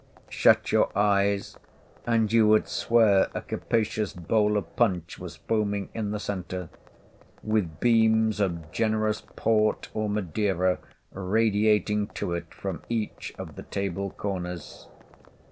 Shut your eyes, and you would swear a capacious bowl of punch was foaming in the centre, with beams of generous Port or Madeira radiating to it from each of the table corners.